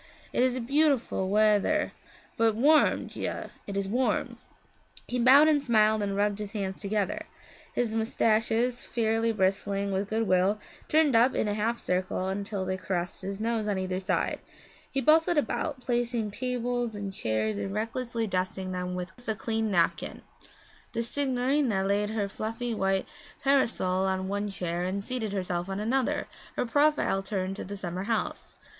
It is beautiful wea thir, but warm. Già, it is warm.' He bowed and smiled and rubbed his hands together. His moustaches, fairly bristling with good will, turned up in a half circle until they caressed his nose on either side. He bustled about placing table and chairs, and recklessly dusting them with the clean napkin. The signorina laid her fluffy white parasol on one chair and seated herself on another, her profile turned to the summer house.